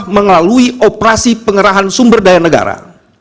melalui operasi pengerahan sumber daya negara